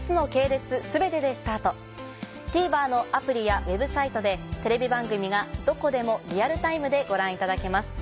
ＴＶｅｒのアプリやＷｅｂサイトでテレビ番組がどこでもリアルタイムでご覧いただけます。